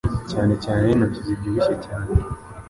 Cyane cyane n'intoki zibyibushye cyane